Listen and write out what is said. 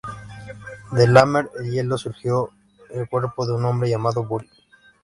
De lamer el hielo surgió el cuerpo de un hombre llamado Buri.